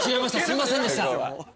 すいませんでした。